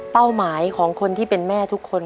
หมายของคนที่เป็นแม่ทุกคน